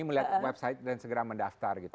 melihat website dan segera mendaftar gitu